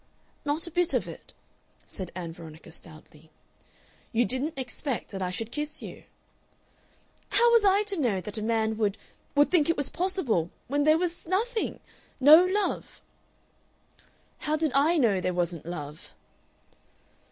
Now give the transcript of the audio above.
"Not a bit of it," said Ann Veronica stoutly. "You didn't expect that I should kiss you?" "How was I to know that a man would would think it was possible when there was nothing no love?" "How did I know there wasn't love?"